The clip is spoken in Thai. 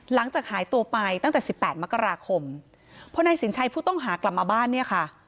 หลังจากหายตัวไปตั้งแต่สิบแปดมกราคมพอนายสินชัยผู้ต้องหากลับมาบ้านเนี่ยค่ะ